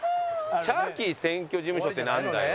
チャーキー選挙事務所ってなんだよ。